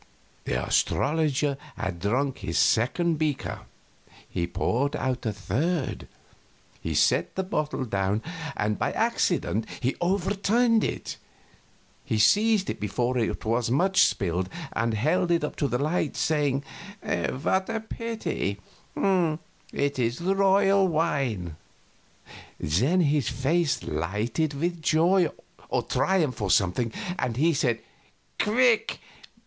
The astrologer had drunk his second beaker; he poured out a third. He set the bottle down, and by accident overturned it. He seized it before much was spilled, and held it up to the light, saying, "What a pity it is royal wine." Then his face lighted with joy or triumph, or something, and he said, "Quick!